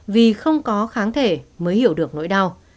vì không có kháng thể mới hiểu được nỗi đau